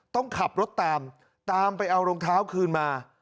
ต้องขับรถตามตามไปเอารองเท้าคืนมา